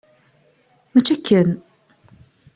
Mačči akken!